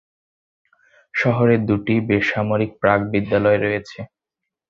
শহরে দুটি বেসরকারি প্রাক-বিদ্যালয় রয়েছে।